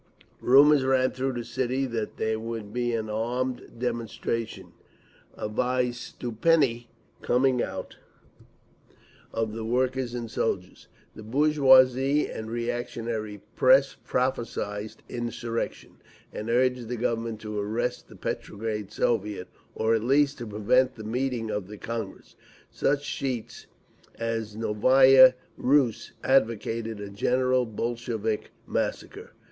Rumours ran through the city that there would be an armed "demonstration," a vystuplennie—"coming out" of the workers and soldiers. The bourgeois and reactionary press prophesied insurrection, and urged the Government to arrest the Petrograd Soviet, or at least to prevent the meeting of the Congress. Such sheets as Novaya Rus advocated a general Bolshevik massacre.